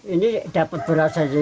ini dapat beras